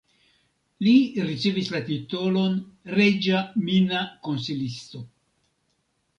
Li ricevis la titolon reĝa mina konsilisto.